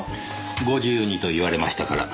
「ご自由に」と言われましたから。